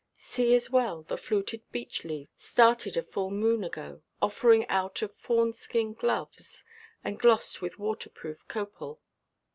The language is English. See, as well, the fluted beech–leaves, started a full moon ago, offering out of fawn–skin gloves, and glossed with waterproof copal.